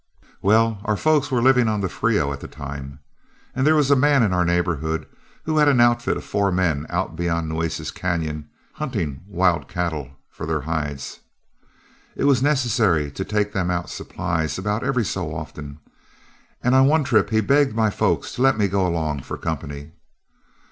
"Well, our folks were living on the Frio at the time, and there was a man in our neighborhood who had an outfit of four men out beyond Nueces Cañon hunting wild cattle for their hides. It was necessary to take them out supplies about every so often, and on one trip he begged my folks to let me go along for company.